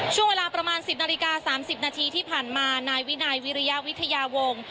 ช่วงเวลาประมาณ๑๐นาฬิกา๓๐นาทีที่ผ่านมานายวินัยวิริยาวิทยาวงศ์